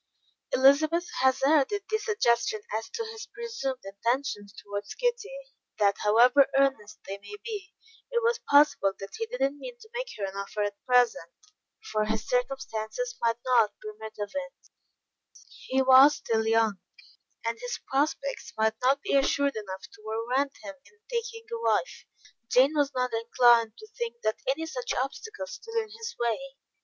Elizabeth hazarded the suggestion as to his presumed intentions towards Kitty, that however earnest they may be, it was possible that he did not mean to make her an offer at present, for his circumstances might not permit of it; he was still young, and his prospects might not be assured enough to warrant him in taking a wife. Jane was not inclined to think that any such obstacles stood in his way.